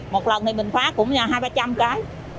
một lần thì mình phát cũng hai ba trăm linh cái